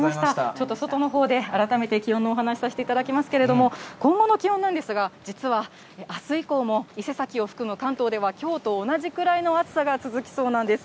ちょっと外のほうで改めて気温のお話させていただきますけれども、今後の気温なんですが、実はあす以降も伊勢崎を含む関東では、きょうと同じくらいの暑さが続きそうなんです。